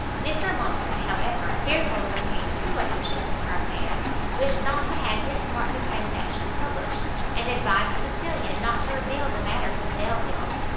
Mr Monckton, however, fearful of appearing too officious in her affairs, wished not to have his part in the transaction published, and advised Cecilia not to reveal the matter to the Delviles.